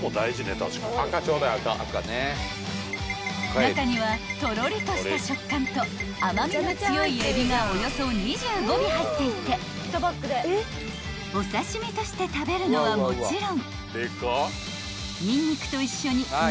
［中にはとろりとした食感と甘みの強い海老がおよそ２５尾入っていてお刺し身として食べるのはもちろん］